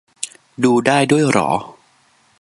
ดูได้ด้วยเหรอ